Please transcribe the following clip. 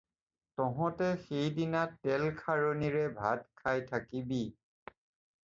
তহঁতে সেইদিনা তেল-খাৰণীৰে ভাত খাই থাকিবি।